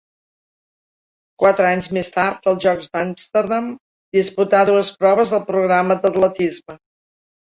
Quatre anys més tard, als Jocs d'Amsterdam, disputà dues proves del programa d'atletisme.